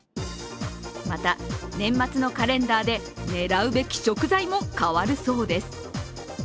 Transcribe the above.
また、年末のカレンダーで狙うべき食材も変わるそうです。